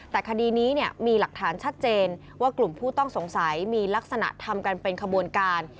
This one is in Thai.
แต่คดีนี้มีหลักฐานชัดเจนว่ากลุ่มผู้ต้องสงสัยมีลักษณะทำกันเป็นขบวนการ